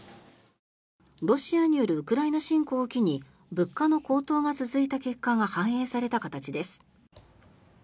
ロシアによるウクライナ侵攻を機に物価の高騰が続いた結果が反映された形です。